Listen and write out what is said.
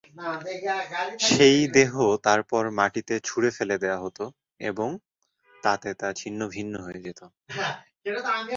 সেই দেহ তারপর মাটিতে ছুড়ে ফেলে দেয়া হত এবং তাতে তা ছিন্ন ভিন্ন হয়ে যেত।